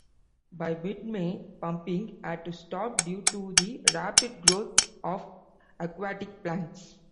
By mid-May, pumping had to stop, due to the rapid growth of aquatic plants.